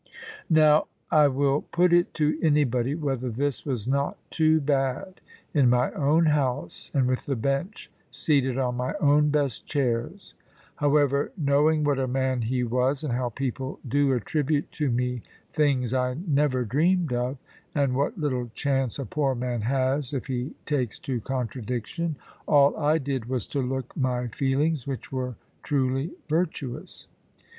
Now, I will put it to anybody whether this was not too bad, in my own house, and with the Bench seated on my own best chairs! However, knowing what a man he was, and how people do attribute to me things I never dreamed of, and what little chance a poor man has if he takes to contradiction, all I did was to look my feelings, which were truly virtuous.